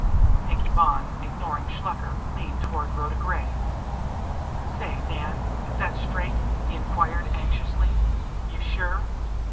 Pinkie Bonn, ignoring Shluker, leaned toward Rhoda Gray. "Say, Nan, is that straight?" he inquired anxiously. "You sure?"